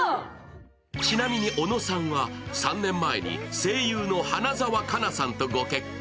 ちなみに小野さんは３年前に声優の花澤香菜さんとご結婚。